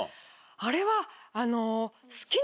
あれは。